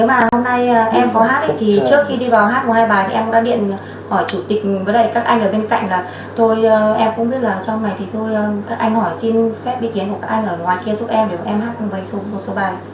nếu mà hôm nay em có hát thì trước khi đi vào hát một hai bài thì em đã điện hỏi chủ tịch với các anh ở bên cạnh là thôi em cũng biết là trong này thì thôi các anh hỏi xin phép biết kiến của các anh ở ngoài kia giúp em để em hát một vài số bài